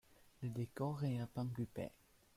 Le décor est à pans coupés.